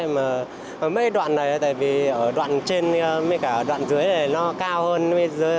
mà mấy đoạn này là tại vì ở đoạn trên mấy cả đoạn dưới này nó cao hơn